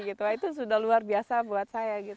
itu sudah luar biasa buat saya